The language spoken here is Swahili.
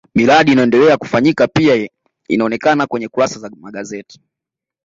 miradi inayoendelea kufanyika pia ilionekana kwenye kurasa za magazeti